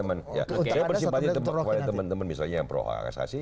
saya bersimpati kepada teman teman misalnya yang perohak asasi